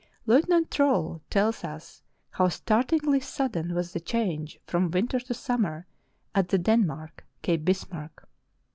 Lieutenant Trolle tells us how startlingly sudden was the change from winter to summer at the Dan mark, Cape Bismarck.